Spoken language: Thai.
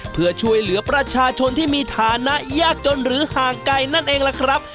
เพื่อช่วยเหลือประชาชนที่มีฐานะยากจนหรือห่างไกลนั่นเองล่ะครับ